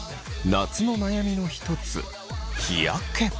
夏の悩みの一つ日焼け。